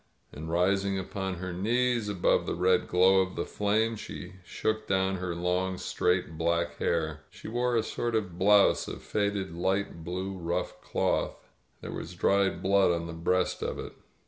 And, rising upon her knees above the red glow of the flames, she shook down her long, straight black hair.* She wore a sort of blouse of faded light blue rough cloth. There was dried blood on the breast of it.